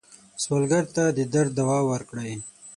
سوالګر ته د درد دوا ورکوئ